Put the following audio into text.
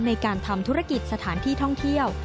ในการทำธุรกิจสถานที่ท่องเที่ยว